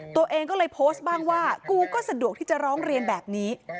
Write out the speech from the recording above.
ตัวเองก็เลยโพสต์บ้างว่ากูก็สะดวกที่จะร้องเรียนแบบนี้